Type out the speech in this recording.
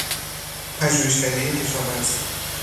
پژوهشکدهی کشاورزی